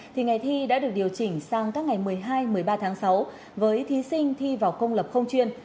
thì ngày thi đã được điều chỉnh sang các ngày một mươi hai một mươi ba tháng sáu với thí sinh thi vào công lập không chuyên